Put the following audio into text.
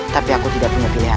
tapi aku tidak punya pilihan